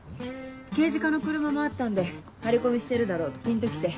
刑事課の車もあったんで張り込みしてるだろうってピンと来て。